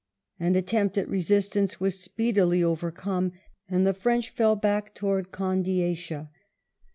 An attempt at resistance was speedily overcome, and the French fell back towards Condeixa.